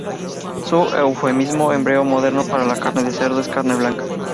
Un eufemismo hebreo moderno para la carne de cerdo es "carne blanca".